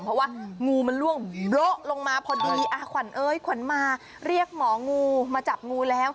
เพราะว่างูมันล่วงโบ๊ะลงมาพอดีขวัญเอ้ยขวัญมาเรียกหมองูมาจับงูแล้ว